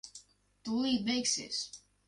Tūlīt beigsies.